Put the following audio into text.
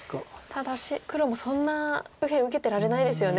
ただ黒もそんな右辺受けてられないですよね。